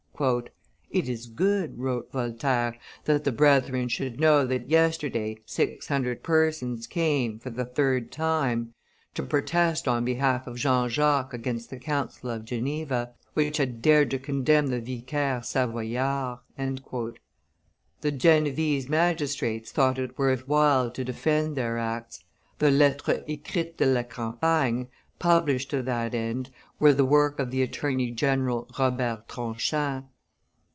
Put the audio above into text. It is good," wrote Voltaire, "that the brethren should know that yesterday six hundred persons came, for the third time, to protest on behalf of Jean Jacques against the Council of Geneva, which had dared to condemn the Vicaire savoyard." The Genevese magistrates thought it worth while to defend their acts; the Lettres ecrites de la Campagne, published to that end, were the work of the attorney general Robert Tronchin.